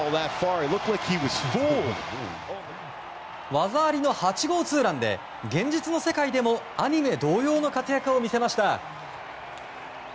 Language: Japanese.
技ありの８号ツーランで現実の世界でもアニメ同様の活躍を見せました。